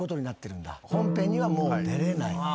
本編にはもう出れない。